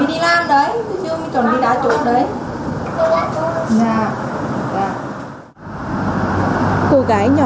dạ còn ăn thôi còn chuẩn bị đi làm đấy chuẩn bị đá chuẩn đấy